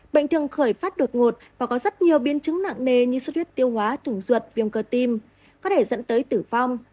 bệnh thường khởi phát đột ngột và có rất nhiều biến chứng nặng nề như sốt huyết tiêu hóa thùng ruột viêm cơ tim có thể dẫn tới tử vong